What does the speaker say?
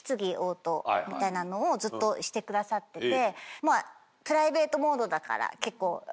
みたいなのをずっとしてくださってて。